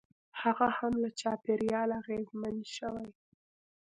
هغه هم له چاپېریال اغېزمن شوی.